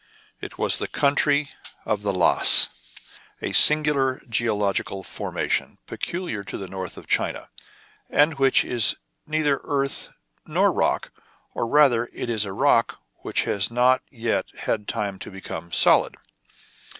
It was the country of the "lœss, a singular geological formation peculiar to the north of China, and which is neither earth nor rock, or, rather, it is a rock which has not yet had time to become solid.